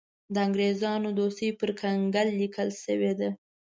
د انګرېزانو دوستي پر کنګل لیکل شوې ده.